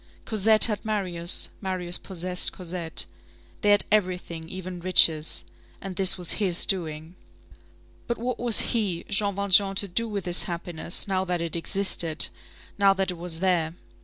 Cosette had Marius, Marius possessed Cosette. They had everything, even riches. And this was his doing. But what was he, Jean Valjean, to do with this happiness, now that it existed, now that it was there?